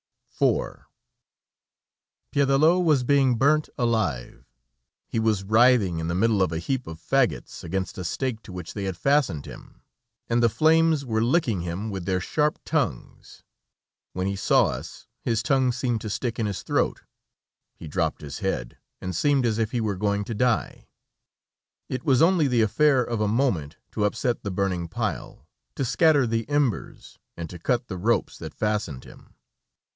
IV Piédelot was being burnt alive. He was writhing in the middle of a heap of fagots, against a stake to which they had fastened him, and the flames were licking him with their sharp tongues. When he saw us, his tongue seemed to stick in his throat, he drooped his head, and seemed as if he were going to die. It was only the affair of a moment to upset the burning pile, to scatter the embers, and to cut the ropes that fastened him.